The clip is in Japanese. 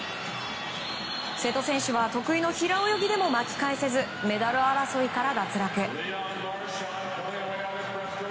瀬戸選手は得意の平泳ぎでも巻き返せずメダル争いから脱落。